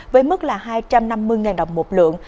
với mức là hai trăm năm mươi đồng một lượng